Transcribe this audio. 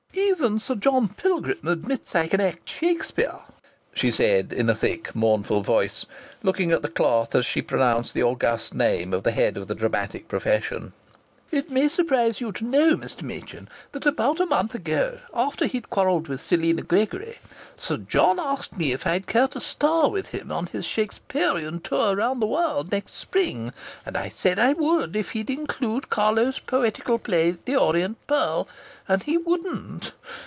"Even Sir John Pilgrim admits I can act Shakspere," she said in a thick mournful voice, looking at the cloth as she pronounced the august name of the head of the dramatic profession. "It may surprise you to know, Mr. Machin, that about a month ago, after he'd quarrelled with Selina Gregory, Sir John asked me if I'd care to star with him on his Shaksperean tour round the world next spring, and I said I would if he'd include Carlo's poetical play, 'The Orient Pearl,' and he wouldn't!